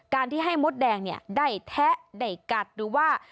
ที่ให้มดแดงเนี่ยได้แทะได้กัดหรือว่า